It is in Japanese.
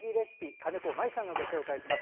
金子麻衣さんがご紹介します。